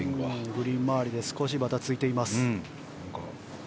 グリーン周りで少しバタついています。